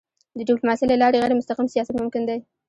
د ډيپلوماسی له لارې غیرمستقیم سیاست ممکن دی.